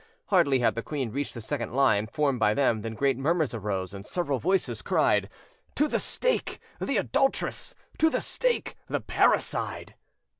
Hardly had the queen reached the second line, formed by them, than great murmurs arose, and several voices cried, "To the stake, the adulteress! To the stake, the parricide!"